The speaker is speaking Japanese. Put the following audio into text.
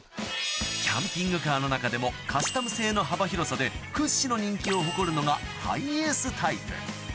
キャンピングカーの中でもカスタム性の幅広さで屈指の人気を誇るのがハイエースタイプ